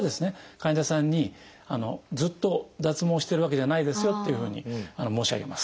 患者さんにずっと脱毛してるわけじゃないですよっていうふうに申し上げます。